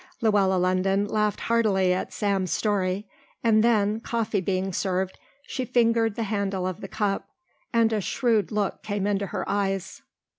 Luella London laughed heartily at Sam's story and then, the coffee being served, she fingered the handle of the cup and a shrewd look came into her eyes.